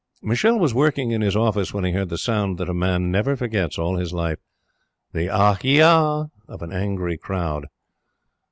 Michele was working in his office when he heard the sound that a man never forgets all his life the "ah yah" of an angry crowd.